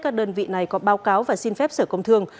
các đơn vị này có báo cáo và xin phép sở công thương